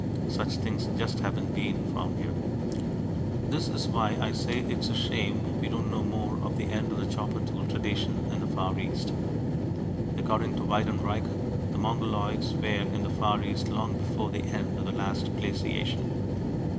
Such things just haven't been found here. This is why I say it's a shame we don't know more of the end of the chopper tool tradition in the Far East. According to Weidenreich, the Mongoloids were in the Far East long before the end of the last glaciation.